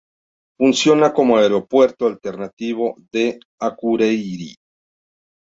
Funciona como aeropuerto alternativo al de Akureyri.